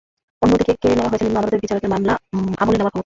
অন্যদিকে কেড়ে নেওয়া হয়েছে নিম্ন আদালতের বিচারকের মামলা আমলে নেওয়ার ক্ষমতা।